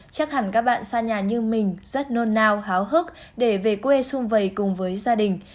chắc hẳn các bạn xa nhà như mình rất nôn nao hức để về quê xung vầy cùng với gia đình